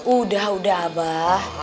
udah udah abah